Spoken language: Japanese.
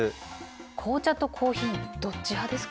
紅茶とコーヒーどっち派ですか？